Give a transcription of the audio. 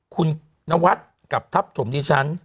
คุณนวัดกับทัพถมดิฉัน